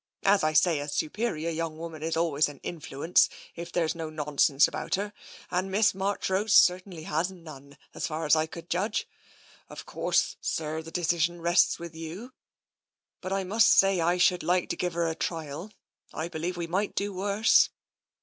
As I say, a superior young woman is always an influence, if there's no nonsense about her, and Miss Marchrose certainly has none, so far as I could judge. Of course, sir, the decision rests with you, but I must say I should like to give her a trial. I believe we might do worse."